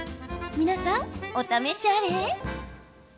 皆さん、お試しあれ！